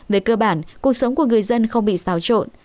về cơ bản cuộc sống của người dân không bị xáo trộn